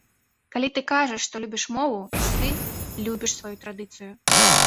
Калі ты кажаш, што любіш мову, то ты любіш сваю традыцыю.